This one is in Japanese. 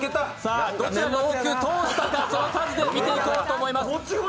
どちらが多く通したかその数で見ていこうと思います。